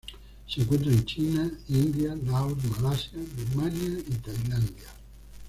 Se encuentra en China, India, Laos, Malasia, Birmania y Tailandia.